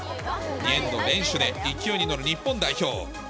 エンド連取で勢いに乗る日本代表。